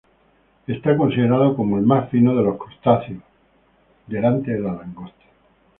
Está considerado como el más fino de los crustáceos, delante de la langosta.